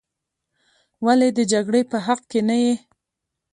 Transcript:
ولې د جګړې په حق کې نه یې.